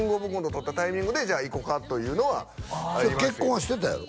取ったタイミングでじゃあ行こかというのはありましたけどそれ結婚はしてたやろ？